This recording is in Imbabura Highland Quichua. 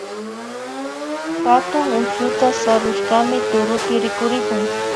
Hatun ushuta sarushkami turupi rikurikun